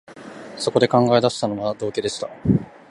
そこで考え出したのは、道化でした